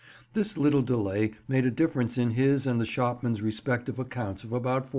This little delay made a difference in his and the shopman's respective accounts of about £45.